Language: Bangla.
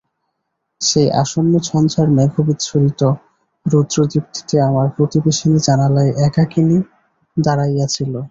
সেই আসন্ন ঝঞ্ঝার মেঘবিচ্ছুরিত রুদ্রদীপ্তিতে আমার প্রতিবেশিনী জানালায় একাকিনী দাঁড়াইয়া ছিল।